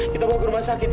kita bawa ke rumah sakit ya